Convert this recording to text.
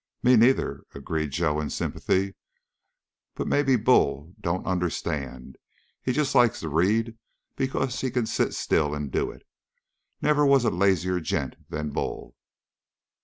"Me neither," agreed Joe in sympathy. "But maybe Bull don't understand. He just likes to read because he can sit still and do it. Never was a lazier gent than Bull."